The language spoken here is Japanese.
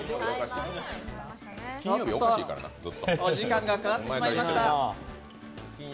お時間がかかってしまいました。